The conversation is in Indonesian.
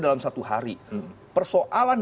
dalam satu hari persoalan